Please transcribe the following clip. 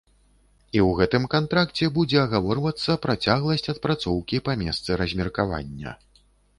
І ў гэтым кантракце будзе агаворвацца працягласць адпрацоўкі па месцы размеркавання.